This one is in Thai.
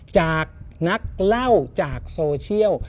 จากนักเล่าจากโซเชียล